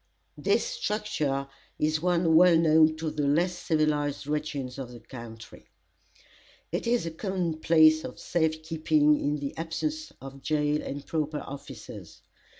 This structure is one well known to the less civilized regions of the country. It is a common place of safe keeping in the absence of jail and proper officers.